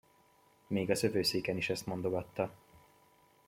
Még a szövőszéken is ezt mondogatta.